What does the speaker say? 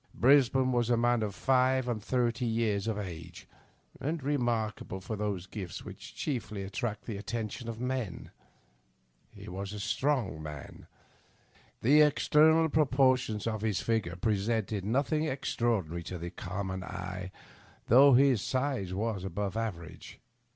Brisbane was a man of five and thirty years of age, and remarkable for those gifts which chiefly attract the attention of men. He was a strong man. The external proportions of his figure pre sented nothing extraordinary to the common eye, though Digitized by VjOOQIC TffB UPPER BEBTE. 19 Jiifi size was above the average.